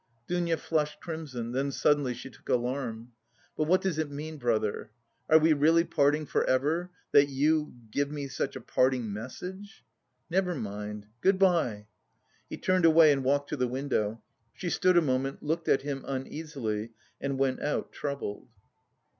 Dounia flushed crimson, then suddenly she took alarm. "But what does it mean, brother? Are we really parting for ever that you... give me such a parting message?" "Never mind.... Good bye." He turned away, and walked to the window. She stood a moment, looked at him uneasily, and went out troubled.